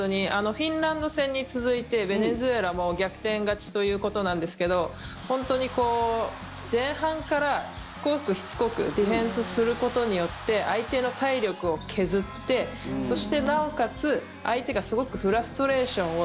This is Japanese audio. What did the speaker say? フィンランド戦に続いてベネズエラも逆転勝ちということなんですけど本当に前半からしつこくしつこくディフェンスすることによって相手の体力を削ってそして、なおかつ相手がすごくフラストレーションを